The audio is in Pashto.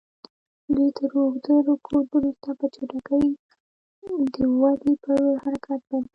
دوی تر اوږده رکود وروسته په چټکۍ د ودې پر لور حرکت پیل کړ.